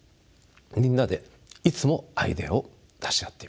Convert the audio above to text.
みんなでいつもアイデアを出し合っています。